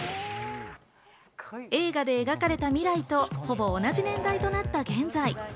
映画で描かれた未来とほぼ同じ年代となった現在。